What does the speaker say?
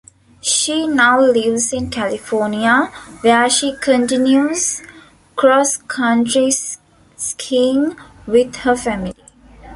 She now lives in California, where she continues cross country skiing with her family.